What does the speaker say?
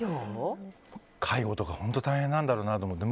介護とか本当大変なんだろうなと思って。